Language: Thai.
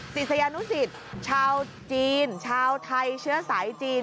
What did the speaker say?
ศิษยานุสิตชาวจีนชาวไทยเชื้อสายจีน